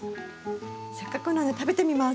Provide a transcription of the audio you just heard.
せっかくなので食べてみます。